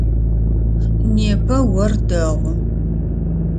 Непэ ор дэгъу.